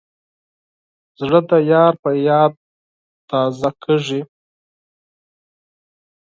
زړه د یار په یاد تازه کېږي.